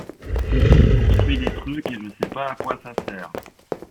Je construis des trucs et je sais pas à quoi ça sert.